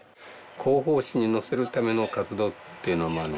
広報誌に載せるための活動というのはまあね